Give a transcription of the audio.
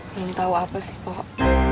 belum tau apa sih pok